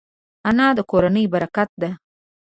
انا د کورنۍ برکت ده